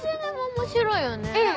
面白いよね。